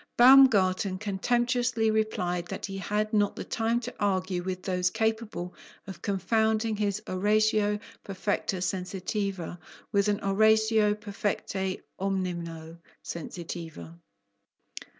Baumgarten contemptuously replied that he had not the time to argue with those capable of confounding his oratio perfecta sensitiva with an oratio perfecte (omnino!) sensitiva.